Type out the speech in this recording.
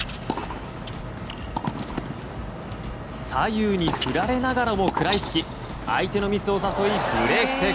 左右に振られながらも食らいつき相手のミスを誘いブレーク